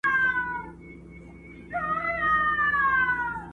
چي هر څوک مي کړي مېلمه ورته تیار یم؛